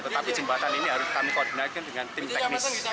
tetapi jembatan ini harus kami koordinasikan dengan tim teknis